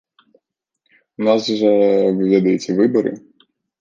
У нас жа, вы ведаеце, выбары.